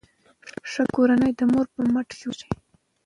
ښه کورنۍ د مور په مټ جوړیږي.